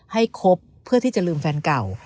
คบเพื่อที่จะลืมแฟนเก่า